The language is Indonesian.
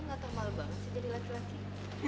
lo gak tau malu banget sih jadi laki laki